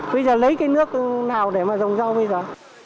bây giờ lấy cái nước nào để mà dòng rau bây giờ